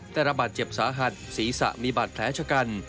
แต่ระบาดเจ็บสาหัสศีรษะมีบาดแผลชะกัน